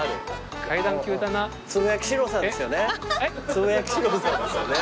つぶやきシローさんですよね？